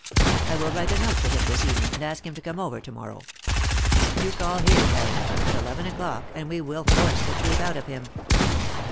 I will write a note to him this evening and ask him to come over to morrow. You call here, Heron, at eleven o'clock, and we will force the truth out of him."